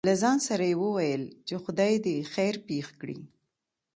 له ځان سره يې وويل :چې خداى دې خېر پېښ کړي.